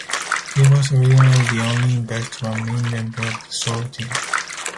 He was originally the only investor and main member of the Solo team.